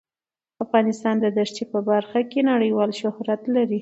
افغانستان د ښتې په برخه کې نړیوال شهرت لري.